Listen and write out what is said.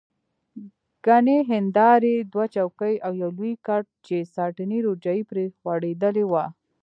ګڼې هندارې، دوه چوکۍ او یو لوی کټ چې ساټني روجایې پرې غوړېدلې وه.